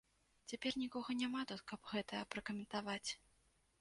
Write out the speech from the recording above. Цяпер нікога няма тут, каб гэта пракаментаваць.